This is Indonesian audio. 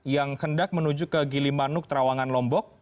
yang hendak menuju ke gilimanuk terawangan lombok